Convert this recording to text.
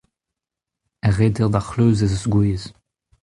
Er reter d'ar c'hleuz ez eus gwez.